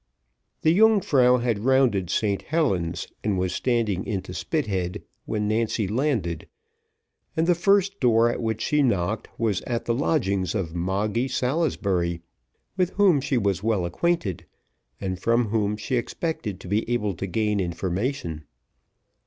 The Yungfrau had rounded St Helen's, and was standing into Spithead, when Nancy landed, and the first door at which she knocked was at the lodgings of Moggy Salisbury, with whom she was well acquainted, and from whom she expected to be able to gain information.